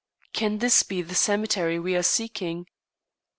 Can this be the cemetery we are seeking?